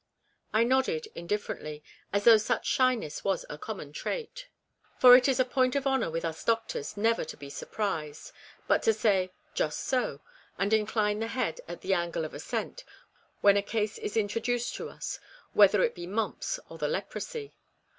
I nodded indifferently, as though such shy ness was a common trait ; for it is a point of honour with us doctors never to be surprised, but to say, "just so," and incline the head at the angle of assent, when a case is introduced to us, whether it be mumps or the leprosy.